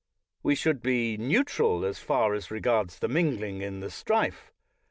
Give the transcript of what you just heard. We should be neutral as far as re gards the mingling in the strife.